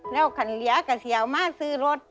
แล้วคันเหลือก็เสียวมาซื้อรถ